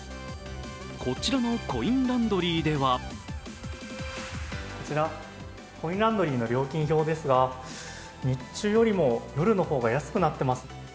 こちらのコインランドリーではこちらコインランドリーの料金表ですが日中よりも夜の方が安くなっています。